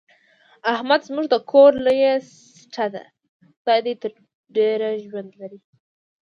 احمد زموږ د کور لویه سټه ده، خدای دې تر ډېرو ژوندی لري.